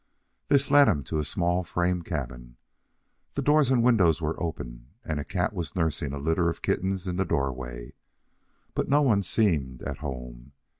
This led him to a small frame cabin. The doors and windows were open, and a cat was nursing a litter of kittens in the doorway, but no one seemed at home.